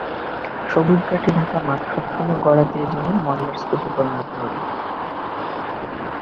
সবুজ ঘাসে ঢাকা মাঠ সময় গড়াতেই যেন ময়লার স্তূপে পরিণত হলো।